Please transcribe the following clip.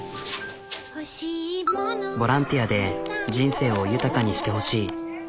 ボランティアで人生を豊かにしてほしい。